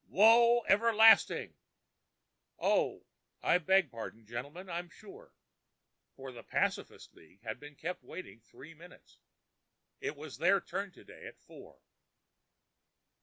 Woe everlasting... Oh, I beg pardon, gentlemen, I'm sure." For the Pacifists' League had been kept waiting three minutes. It was their turn to day at four.